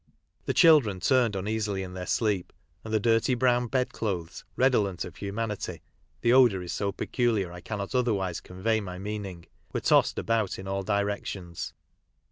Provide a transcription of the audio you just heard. The children turned uneasily in their sleep, and the dirty brown bedclothes, redolent of humanity— the odour is so peculiar I cannot otherwise convey my meaning — were tossed about in all directions.